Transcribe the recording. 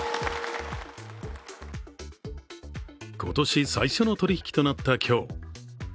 今年最初の取引となった今日。